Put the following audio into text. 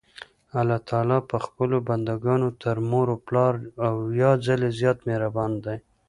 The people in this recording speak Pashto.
الله تعالی په خپلو بندګانو تر مور او پلار اويا ځلي زيات مهربان دي.